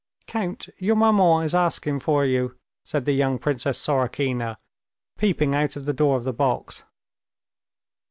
"Count, your maman is asking for you," said the young Princess Sorokina, peeping out of the door of the box.